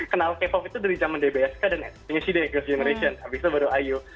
kenal k pop itu dari zaman dbsk dan punya cdrus generation abis itu baru iu